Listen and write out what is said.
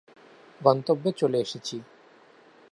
গন্তব্যে চলে এসেছি।